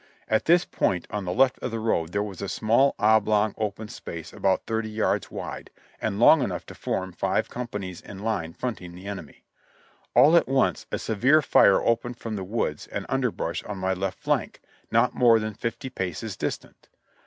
At this point on the left of the road there was a small oblong open space about thirty yards wide, and long enough to form five companies in line fronting the enemy. All at once a severe fire opened from the woods and underbrush on my left flank, not more than fifty paces distant.